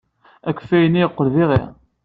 Akeffay-nni yeqqel d iɣi.